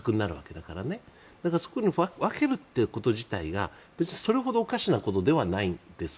だからそこに分けるということ自体が別にそれほどおかしなことではないんです。